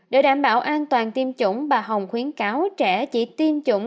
để đảm bảo an toàn tiêm chủng bà hồng khuyến cáo trẻ chỉ tiêm chủng